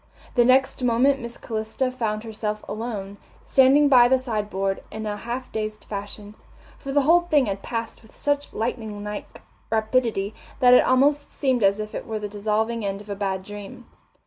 The next moment Miss Calista found herself alone, standing by the sideboard in a half dazed fashion, for the whole thing had passed with such lightning like rapidity that it almost seemed as if it were the dissolving end of a bad dream.